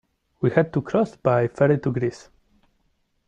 We had to cross by ferry to Greece.